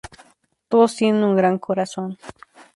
Todos tienen un gran corazón.